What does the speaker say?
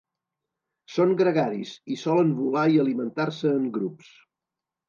Són gregaris i solen volar i alimentar-se en grups.